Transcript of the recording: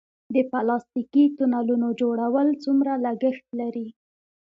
د پلاستیکي تونلونو جوړول څومره لګښت لري؟